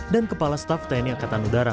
dan kepala staf tni akatan udara